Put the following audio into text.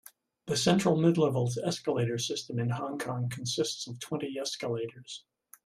The Central-Midlevels escalator system in Hong Kong consists of twenty escalators.